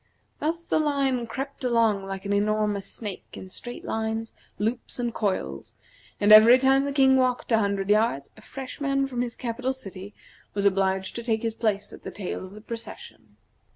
Thus the line crept along like an enormous snake in straight lines, loops, and coils; and every time the King walked a hundred yards a fresh man from his capital city was obliged to take his place at the tail of the procession.